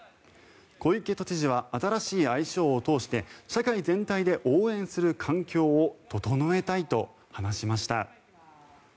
小池都知事は新しい愛称を通して社会全体で応援する環境を整えたいと話しました。